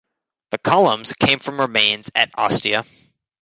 The columns came from remains at Ostia.